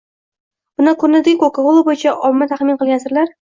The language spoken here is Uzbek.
Bundan ko‘rinadiki, Koka-kola bo‘yicha omma taxmin qilgan sirlar